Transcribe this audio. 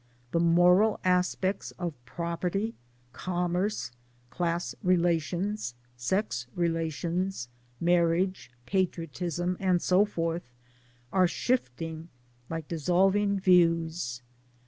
The moral aspects of Property, Commerce, Class relations, Sex relations, Marriage, Patriotism, and so forth, are shifting like dissolving views.